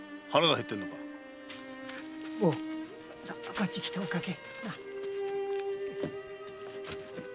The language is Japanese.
こっちへ来てお掛け。